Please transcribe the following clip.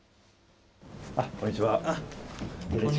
こんにちは。